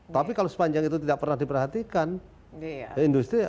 tapi kalau sepanjang itu tidak pernah diperhatikan